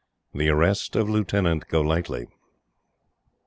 THE ARREST OF LIEUTENANT GOLIGHTLY.